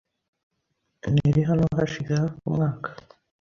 Nari hano hashize hafi umwaka .